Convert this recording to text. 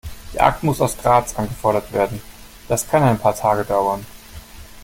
Der Akt muss aus Graz angefordert werden, das kann ein paar Tage dauern.